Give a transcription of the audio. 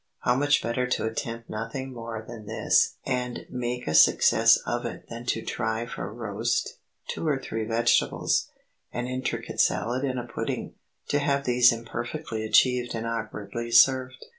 How much better to attempt nothing more than this and make a success of it than to try for roast, two or three vegetables, an intricate salad and a pudding,—to have these imperfectly achieved and awkwardly served.